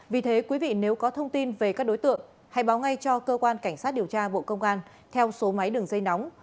vì thế quý vị nếu có thông tin về các đối tượng hãy báo ngay cho cơ quan cảnh sát điều tra bộ công an theo số máy đường dây nóng sáu mươi chín hai trăm ba mươi bốn năm nghìn tám trăm sáu mươi